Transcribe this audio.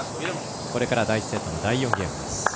これから第１セットの第４ゲームです。